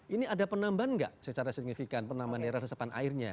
ini ada penambahan nggak secara signifikan penambahan daerah resepan airnya